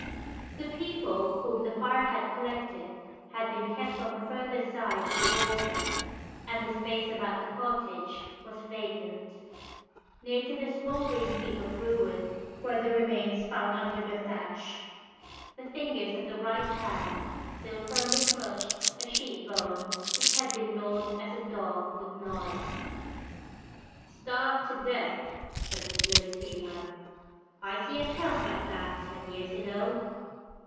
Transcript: The people whom the fire had collected had been kept on the further side of the water, and the space about the cottage was vacant. Near to the smouldering heap of ruin were the remains found under the thatch. The fingers of the right hand still firmly clutched a sheep bone which had been gnawed as a dog would gnaw it. " Starved to death," said the sluice keeper, " I see a tramp like that ten years ago."